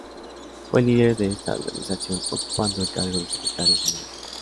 Fue el líder de esta organización, ocupando el cargo de secretario general.